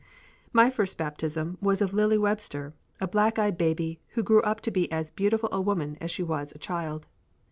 My first baptism was of Lily Webster, a black eyed baby, who grew up to be as beautiful a woman as she was a child.